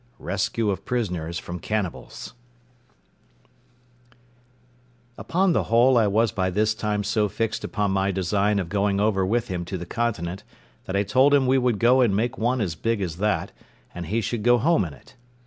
RESCUE OF PRISONERS FROM CANNIBALS Upon the whole, I was by this time so fixed upon my design of going over with him to the continent that I told him we would go and make one as big as that, and he should go home in it.